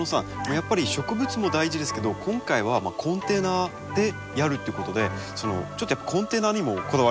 やっぱり植物も大事ですけど今回はコンテナでやるということでちょっとやっぱコンテナにもこだわりたいじゃないですか。